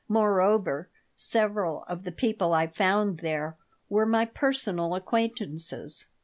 Moreover, several of the people I found there were my personal acquaintances.